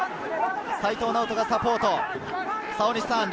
齋藤直人がサポート。